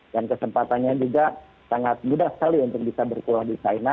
dan kesempatannya juga sangat mudah sekali untuk bisa berkuliah di china